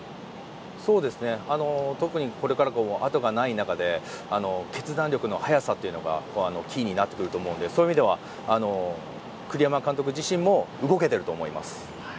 特にこれからあとがない中で決断力の早さというのがキーになってくると思うのでそういう意味では栗山監督自身も動けていると思います。